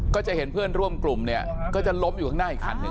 ก็จะเห็นเพื่อนร่วมกลุ่มเนี่ยก็จะล้มอยู่ข้างหน้าอีกคันหนึ่ง